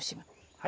はい。